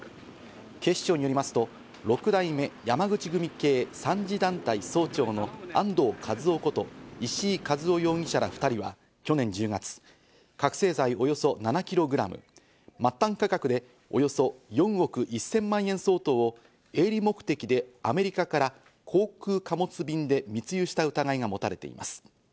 警視庁によりますと六代目山口組系三次団体総長の安藤和夫容疑者こと石井和夫容疑者ら２人は去年１０月、覚醒剤およそ７キログラム、末端価格でおよそ４億１０００万円相当を営利目的でアメリカから航空貨物便で密輸した疑いが持たれています。